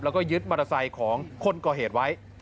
แล้วก็ยึดมอเตอร์ไซค์ของคนก่อเหตุไว้